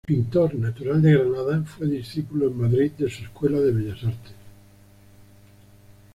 Pintor natural de Granada, fue discípulo en Madrid de su Escuela de Bellas Artes.